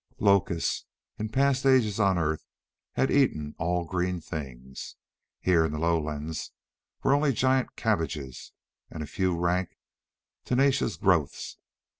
Locusts, in past ages on Earth, had eaten all green things. Here in the lowlands were only giant cabbages and a few rank, tenacious growths.